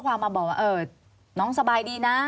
ควิทยาลัยเชียร์สวัสดีครับ